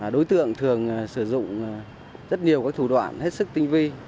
đối tượng thường sử dụng rất nhiều các thủ đoạn hết sức tinh vi